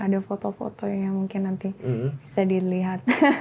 ada foto foto yang mungkin nanti bisa dilihat